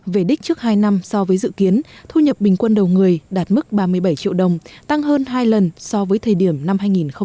về đích trước hai năm so với dự kiến thu nhập bình quân đầu người đạt mức ba mươi bảy triệu đồng tăng hơn hai lần so với thời điểm năm hai nghìn một mươi bảy